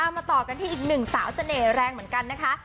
มาต่อกันที่อีกหนึ่งสาวเสน่ห์แรงเหมือนกันนะคะ